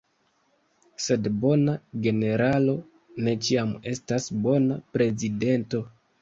Sed bona generalo ne ĉiam estas bona prezidento.